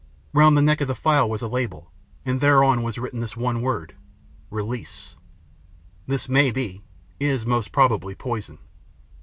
Round the neck of the phial was a label, and thereon was written this one word, " Release? This may be is most probably, poison.